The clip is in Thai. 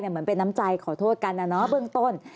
เหมือนเป็นน้ำใจขอโทษกันนะเนาะเบื้องต้น